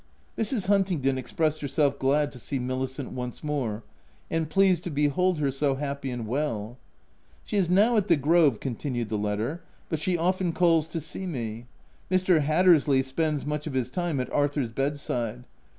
Mrs. Huntingdon expressed herself glad to see Milicent once more, and pleased to behold her so happy and well. u She is now at the Grove," continued the letter, " but she often calls to see me. Mr. Hattersley spends much of his time at Arthur's bed side.